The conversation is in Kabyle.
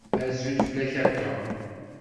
Azul fell-ak a Tom.